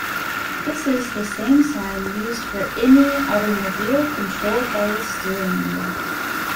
This is the same sign used for any automobile controlled by a steering wheel.